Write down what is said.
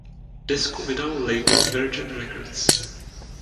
Desku vydal label Virgin Records.